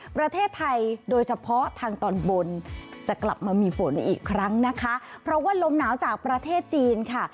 ประเทศไทยโดยเฉพาะทางตอนบนจะกลับมามีฝนอีกครั้งนะคะเพราะว่าลมหนาวจากประเทศจีนค่ะ